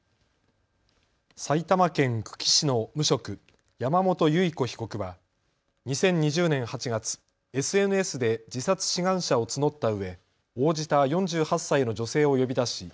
埼玉県久喜市の無職、山本結子被告は２０２０年８月、ＳＮＳで自殺志願者を募ったうえ応じた４８歳の女性を呼び出し